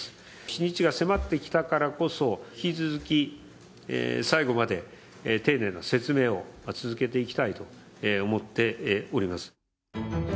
日にちが迫ってきたからこそ、引き続き最後まで丁寧な説明を続けていきたいと思っております。